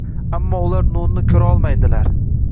Ammo ular nurni ko’rolmaydilar.